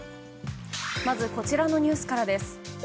まず、こちらのニュースからです。